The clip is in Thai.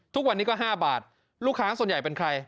ทุกวันนี้ก็๕บาทลูกค้าส่วนใหญ่เป็นใคร